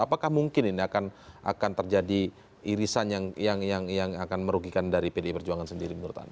apakah mungkin ini akan terjadi irisan yang akan merugikan dari pdi perjuangan sendiri menurut anda